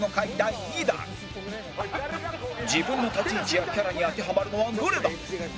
自分の立ち位置やキャラに当てはまるのはどれだ？